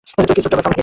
কিছুটা ব্যথা লাগে।